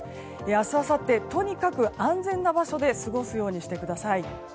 明日、あさってとにかく安全な場所で過ごすようにしてください。